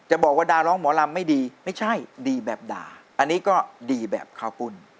บอกว่าดาร้องหมอลำไม่ดีไม่ใช่ดีแบบด่าอันนี้ก็ดีแบบข้าวปุ้น